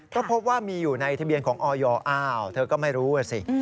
ก็พบว่ามีอยู่ในทะเบียนของออยอ้าวเธอก็ไม่รู้สิ